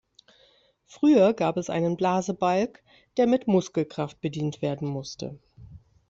Früher gab es einen Blasebalg, der mit Muskelkraft bedient werden musste.